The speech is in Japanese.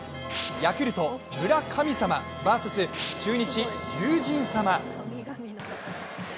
ヤクルト・村神様ＶＳ中日・竜神様。